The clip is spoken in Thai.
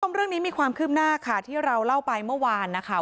เรื่องนี้มีความคืบหน้าค่ะที่เราเล่าไปเมื่อวานนะคะ